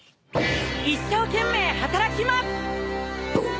一生懸命働きます！